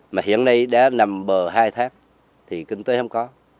mà hiện nay đã nằm bờ hai tháp thì kinh tế không có